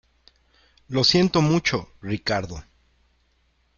lo siento mucho, Ricardo.